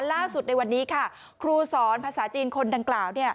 ล่าสุดในวันนี้ค่ะครูสอนภาษาจีนคนดังกล่าว